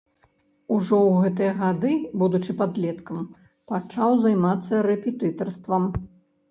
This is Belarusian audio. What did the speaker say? Ужо ў гэтыя гады, будучы падлеткам, пачаў займацца рэпетытарствам.